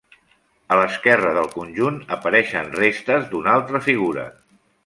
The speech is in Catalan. A l'esquerra del conjunt apareixen restes d'una altra figura.